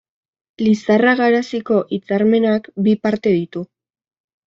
Lizarra-Garaziko Hitzarmenak bi parte ditu.